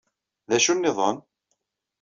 D acu nniḍen?